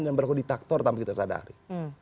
dan beraku di taktor tanpa kita sadari